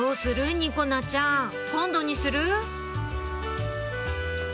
にこなちゃん今度にする？